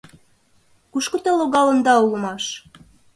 — Кушко те логалында улмаш?